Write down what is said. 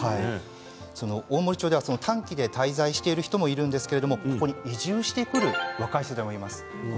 大森町では絶えず短期で滞在している人もいるんですけど移住してくる若い人もいます。